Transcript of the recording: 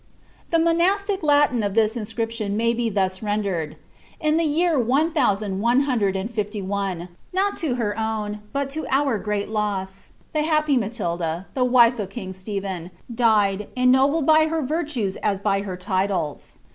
ovmM I I The monutjc LaUq of this inscription may be thus r(1ndefMl^ ihe yon one tliousand one hundred and filly one. not to her oira,n lo our great loas, the happy Illaiilda. the wife of king Stephen, (tied,«i> Dobled by her virtues as by her lilies.